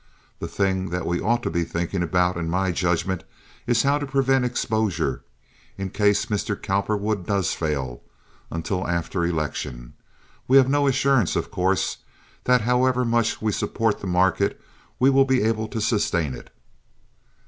The thing that we ought to be thinking about, in my judgment, is how to prevent exposure, in case Mr. Cowperwood does fail, until after election. We have no assurance, of course, that however much we support the market we will be able to sustain it."